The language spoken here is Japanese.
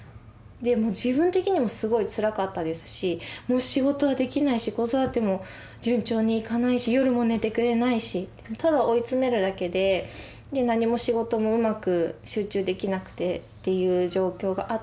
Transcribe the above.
自分的にもすごいつらかったですし仕事はできないし子育ても順調にいかないし夜も寝てくれないしただ追い詰めるだけで何も仕事もうまく集中できなくてっていう状況があったので。